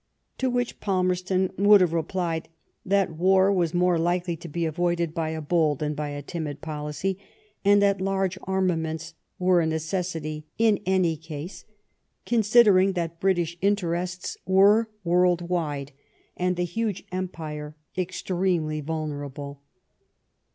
To which Pal merston would have replied that war was more likely to be avoided by a bold than by a timid policy, and that large armaments were a necessity in any case, considering 40 LIFE OF VISCOUNT PALMEB8T0N. that British interests were world* wide, and the huge Empire extremely valnerable.